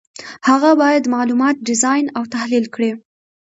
هغه باید معلومات ډیزاین او تحلیل کړي.